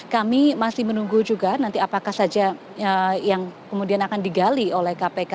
kami masih menunggu juga nanti apakah saja yang kemudian akan digali oleh kpk